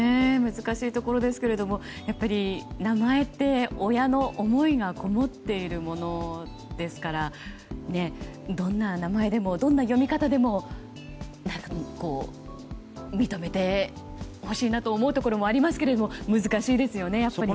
難しいところですけどやっぱり名前って親の思いがこもっているものですからどんな名前でもどんな読み方でも認めてほしいなと思うところもありますけど難しいですよね、やっぱり。